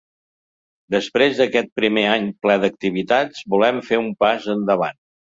Després d’aquest primer any ple d’activitats volem fer un pas endavant.